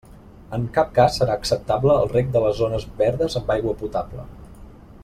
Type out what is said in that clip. En cap cas serà acceptable el reg de les zones verdes amb aigua potable.